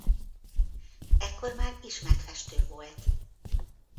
Ekkor már ismert festő volt.